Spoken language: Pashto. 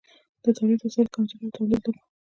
د تولید وسایل کمزوري وو او تولید لږ و.